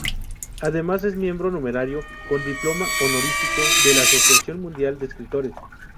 Además es miembro numerario, con diploma honorífico, de la Asociación Mundial de Escritores.